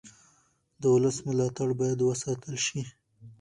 د ولس ملاتړ باید وساتل شي